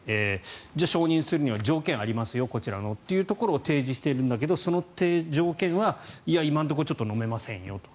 じゃあ、承認するには条件がありますよというのを提示しているんだけどその条件は今のところのめませんよと。